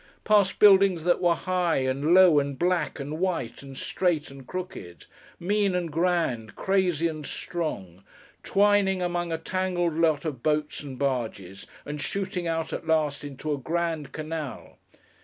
Past buildings that were high, and low, and black, and white, and straight, and crooked; mean and grand, crazy and strong. Twining among a tangled lot of boats and barges, and shooting out at last into a Grand Canal!